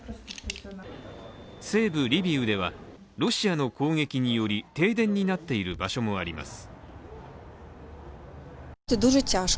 西部リビウでは、ロシアの攻撃により停電になっている場所もあります。